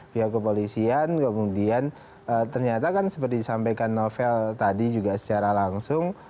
pihak kepolisian kemudian ternyata kan seperti disampaikan novel tadi juga secara langsung